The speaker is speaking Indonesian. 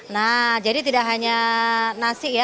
nah jadi tidak hanya nasi ya